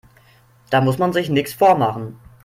Da muss man sich nichts vormachen.